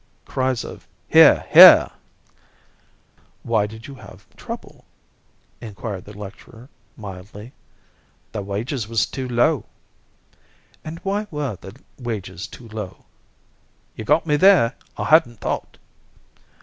Cries of "Hear! Hear!" "Why did you have trouble?" inquired the lecturer mildly. "The wages was too low." "And why were the wages too low?" "You've got me there. I hadn't thought."